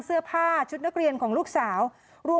เสื้อผ้าชุดนักเรียนของลูกสาว